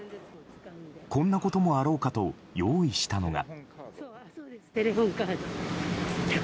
こんなこともあろうかと用意したのが。